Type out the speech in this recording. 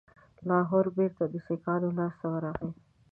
لاهور بیرته د سیکهانو لاسته ورغی.